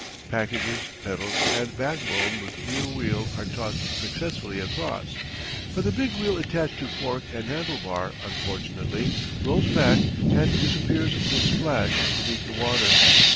Packages, pedals, and backbone with rear wheel are tossed successfully across, but the big wheel attached to fork and handle bar, unfortunately rolls back and disappears with a splash beneath the water.